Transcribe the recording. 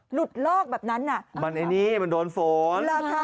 หลุดลอกแบบนั้นน่ะมันไอ้นี้มันโดนโฟน